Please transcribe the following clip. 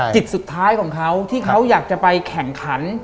จิตสุดท้ายของเขาที่เขาอยากจะไปแข่งขัน